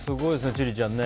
千里ちゃんね。